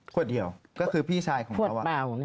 คนเดียวก็คือพี่ชายของเขา